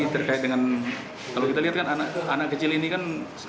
terkait dengan kalau kita lihat kan anak kecil ini kan